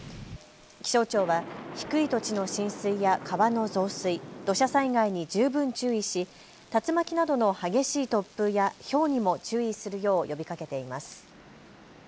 気象庁は低い土地の浸水や川の増水、土砂災害に十分注意し竜巻などの激しい突風やひょうにも注意するよう呼びかけています。